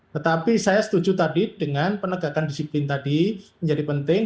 tetapi saya setuju tadi dengan penegakan disiplin tadi menjadi penting